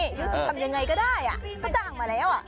รู้สึกทำยังไงก็ได้เขาจ้างมาแล้ว